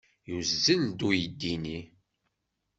Yuzzel-d uydi-nni.